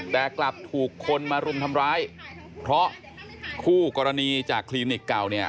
แต่กลับถูกคนมารุมทำร้ายเพราะคู่กรณีจากคลินิกเก่าเนี่ย